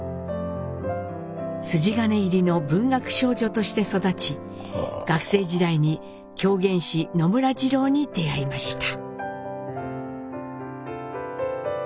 筋金入りの文学少女として育ち学生時代に狂言師野村二朗に出会いました。